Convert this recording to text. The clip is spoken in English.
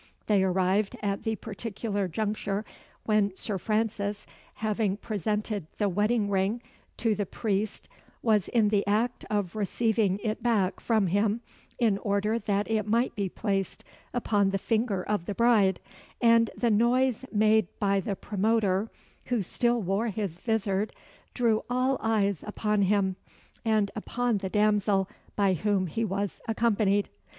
They arrived at the particular juncture when Sir Francis, having presented the wedding ring to the priest was in the act of receiving it back from him, in order that it might be placed upon the finger of the bride; and the noise made by the promoter, who still wore his vizard, drew all eyes upon him, and upon the damsel by whom he was accompanied.